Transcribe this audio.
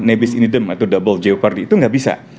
nebis in idem atau double jeopardy itu nggak bisa